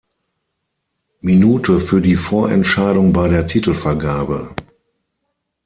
Minute für die Vorentscheidung bei der Titelvergabe.